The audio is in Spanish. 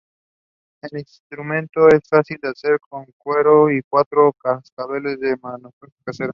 El instrumento es fácil de hacer con cuero y cuatro cascabeles, de manufactura casera.